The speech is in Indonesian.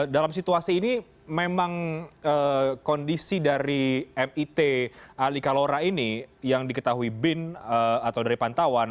dalam situasi ini memang kondisi dari mit ali kalora ini yang diketahui bin atau dari pantauan